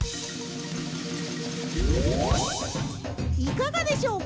いかがでしょうか？